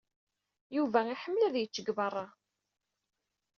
Yuba iḥemmel ad yečč deg beṛṛa.